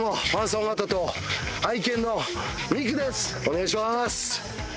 お願いします。